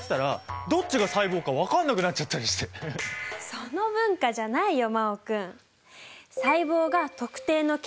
その「文化」じゃないよ真旺君。